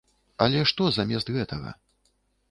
Але што замест гэтага?